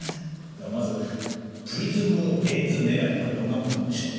ではまずプリズムレンズメガネこれはどんなもんなんでしょう？